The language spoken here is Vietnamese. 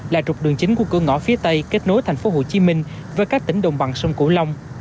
là trục đường chính của cửa ngõ phía tây kết nối tp hcm với các tỉnh đồng bằng sông cổ long